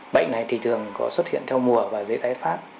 bệnh này thì thường có xuất hiện theo mùa và dễ tái phát